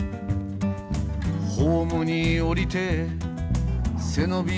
「ホームに降りて背伸びをすれば」